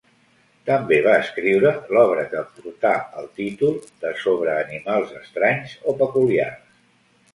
També va escriure l'obra que portà el títol de sobre animals estranys o peculiars.